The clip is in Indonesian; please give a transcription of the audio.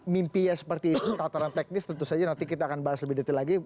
mimpinya seperti itu tataran teknis tentu saja nanti kita akan bahas lebih detail lagi